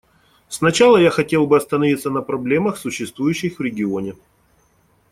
Сначала я хотел бы остановиться на проблемах, существующих в регионе.